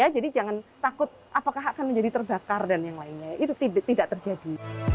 jadi jangan takut apakah akan menjadi terbakar dan yang lainnya itu tidak terjadi